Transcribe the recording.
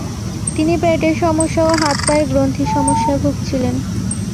তিনি পেটের সমস্যা ও হাত পায়ের গ্রন্থির সমস্যায় ভুগছিলেন।